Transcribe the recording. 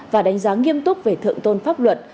và đánh giá nghiêm túc về thượng tôn pháp luật